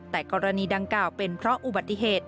แต่กรณีดังกล่าวเป็นเพราะอุบัติเหตุ